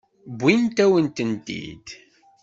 Wwint-awen-tent-id.